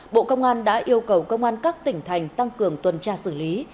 bộ công an đã yêu cầu công an các tỉnh thành tăng cường tuần tra xử lý